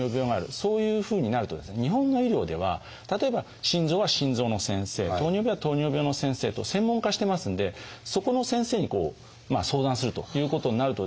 そういうふうになるとですね日本の医療では例えば心臓は心臓の先生糖尿病は糖尿病の先生と専門化してますんでそこの先生に相談するということになるとですね